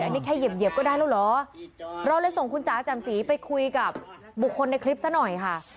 อันนี้แค่เหยียบก็ได้แล้วเหรอเราเลยส่งคุณจ๋าแจ่มสีไปคุยกับบุคคลในคลิปซะหน่อยค่ะ